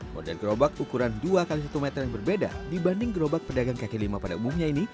model gerobak ukuran dua x satu meter yang berbeda dibanding gerobak pedagang kaki lima pada umumnya ini